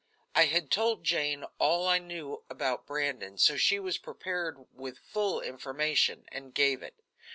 I had told Jane all I knew about Brandon, so she was prepared with full information, and gave it.